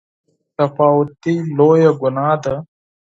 بې تفاوتي لويه ګناه ده.